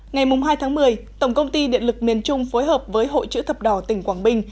ngày hai tháng một mươi tổng công ty điện lực miền trung phối hợp với hội chữ thập đỏ tỉnh quảng bình